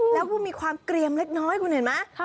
แล้วก็มีความเกลียมเล็กน้อยคุณเห็นไหม